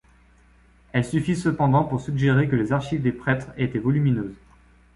Elles suffisent cependant pour suggérer que les archives des prêtres étaient volumineuses.